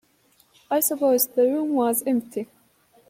I supposed the room was empty.